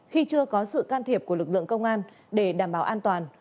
khi chưa có sự can thiệp của lực lượng công an để đảm bảo an toàn